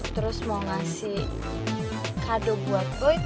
terus mau ngasih kado buat gue